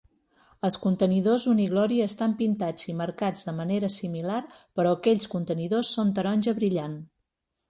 Els contenidors Uniglory estan pintats i marcats de manera similar, però aquells contenidors són taronja brillant.